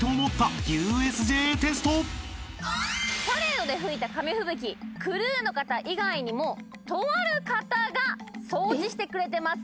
パレードで吹いた紙吹雪クルーの方以外にもとある方が掃除してくれてます。